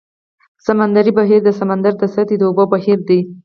سمندري بهیر د سمندر د سطحې د اوبو بهیر دی.